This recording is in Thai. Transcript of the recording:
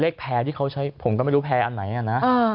แพร่ที่เขาใช้ผมก็ไม่รู้แพร่อันไหนอ่ะนะ